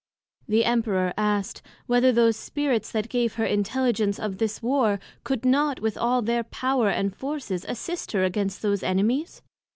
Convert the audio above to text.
The Emperor asked, Whether those Spirits that gave her Intelligence of this War, could not with all their Power and Forces, assist her against those Enemies?